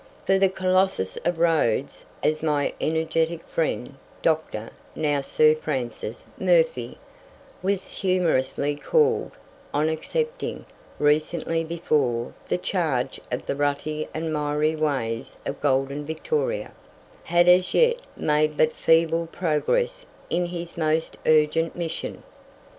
For the Colossus of Rhodes, as my energetic friend, Dr. (now Sir Francis) Murphy, was humorously called, on accepting, recently before, the charge of the rutty and miry ways of golden Victoria, had as yet made but feeble progress in his most urgent mission.